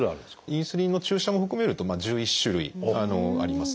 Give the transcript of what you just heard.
インスリンの注射も含めると１１種類ありますね。